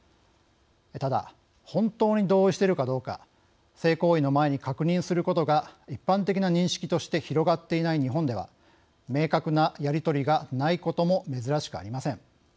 ただ、本当に同意しているかどうか性行為の前に確認することが一般的な認識として広がっていない日本では明確なやり取りがないことも珍しくありません。